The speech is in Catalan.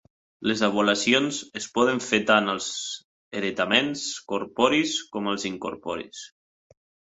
Les avaluacions es poden fer tant als heretaments corporis com als incorporis.